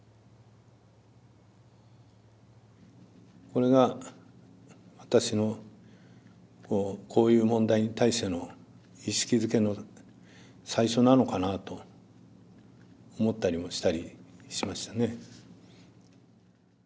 これが私のこういう問題に対しての意識づけの最初なのかなと思ったりもしたりしましたね。